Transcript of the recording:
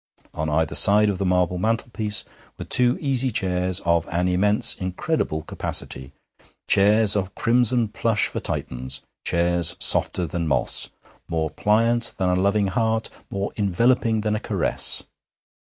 On either side of the marble mantelpiece were two easy chairs of an immense, incredible capacity, chairs of crimson plush for Titans, chairs softer than moss, more pliant than a loving heart, more enveloping than a caress.